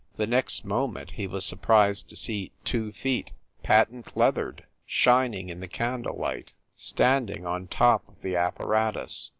The next moment he was sur prised to see two feet, patent leathered, shining in the candle light, standing on top of the apparatus.